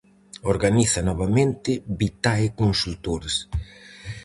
Organiza novamente Vitae Consultores.